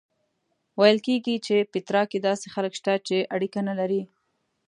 ویل کېږي په پیترا کې داسې خلک شته چې اړیکه نه لري.